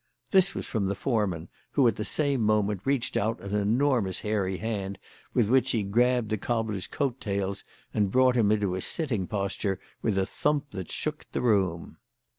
This was from the foreman, who, at the same moment, reached out an enormous hairy hand with which he grabbed the cobbler's coat tails and brought him into a sitting posture with a thump that shook the room.